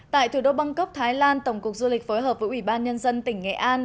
tại thủ đô bangkok thái lan tổng cục du lịch phối hợp với ủy ban nhân dân tỉnh nghệ an